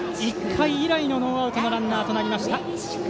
１回以来のノーアウトのランナーとなりました。